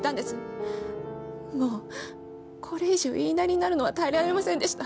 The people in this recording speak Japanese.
もうこれ以上言いなりになるのは耐えられませんでした。